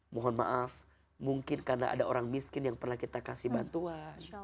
mohon maaf mungkin karena ada orang miskin yang pernah kita kasih bantuan